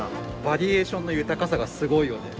バリエーションの豊かさがすごいよね。